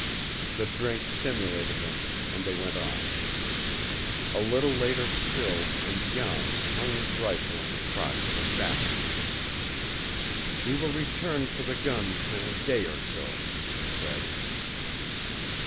The drink stimulated them, and they went on. A little later still and Jan hung his rifle in the crotch of a sapling. "We will return for the guns in a day or so," he said.